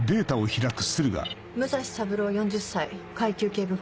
武蔵三郎４０歳階級警部補。